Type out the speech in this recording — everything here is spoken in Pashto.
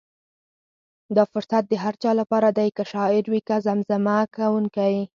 دا فرصت د هر چا لپاره دی، که شاعر وي که زمزمه کوونکی.